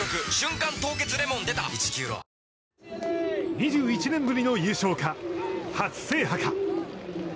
２１年ぶりの優勝か初制覇か。